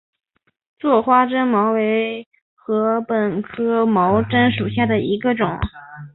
座花针茅为禾本科针茅属下的一个种。